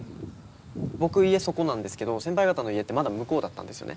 僕家そこなんですけど先輩方の家ってまだ向こうだったんですよね。